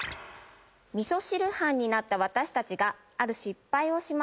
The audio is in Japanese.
味噌汁班になった私たちがある失敗をしました。